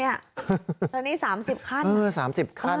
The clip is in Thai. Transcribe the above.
นี่ตอนนี้๓๐ขั้น